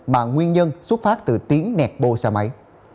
bằng nguyên nhân xuất phát từ tiếng nẹt bô xa máy